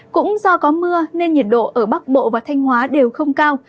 cũng do có mưa nên nhiệt độ ở bắc bộ và thanh hóa đều không cao